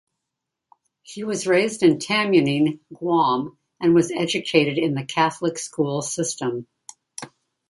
He was raised in Tamuning, Guam and was educated in the Catholic school system.